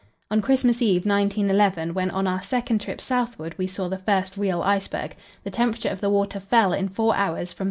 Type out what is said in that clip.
On Christmas Eve, 1911, when on our second trip southward we saw the first real iceberg, the temperature of the water fell in four hours from 35.